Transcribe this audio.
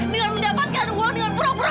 dengan mendapatkan uang dengan pura pura